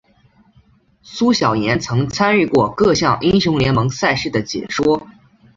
苏小妍曾参与过各项英雄联盟赛事的解说。